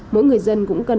mỗi người dân cũng cần